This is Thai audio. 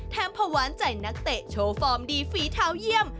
ภาวะนใจนักเตะโชว์ฟอร์มดีฝีเท้าเยี่ยม